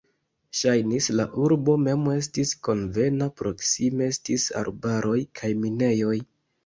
Ŝajnis, la urbo mem estis konvena, proksime estis arbaroj kaj minejoj.